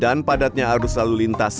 dan padatnya arus lalu lintas